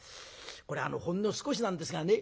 これほんの少しなんですがね